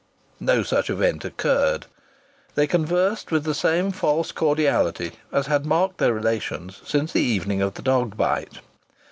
No such event occurred. They conversed with the same false cordiality as had marked their relations since the evening of the dog bite.